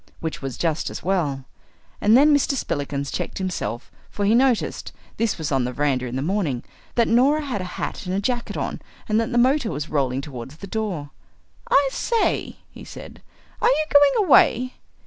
Which was just as well. And then Mr. Spillikins checked himself, for he noticed this was on the verandah in the morning that Norah had a hat and jacket on and that the motor was rolling towards the door. "I say," he said, "are you going away?"